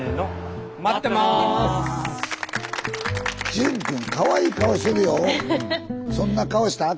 隼くんかわいい顔してるよ。